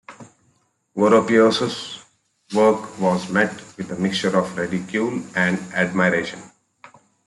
Goropius's work was met with a mixture of ridicule and admiration.